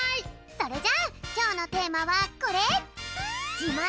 それじゃあきょうのテーマはこれ！